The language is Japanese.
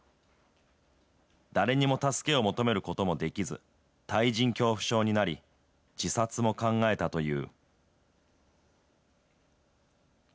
誰にも助けを求めることもできず、対人恐怖症になり、自殺も考えたという。